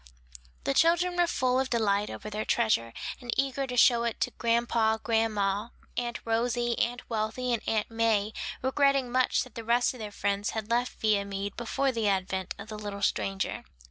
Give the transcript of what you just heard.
The children were full of delight over their treasure, and eager to show it to grandpa, grandma, Aunt Rosie, Aunt Wealthy and Aunt May; regretting much that the rest of their friends had left Viamede before the advent of the little stranger.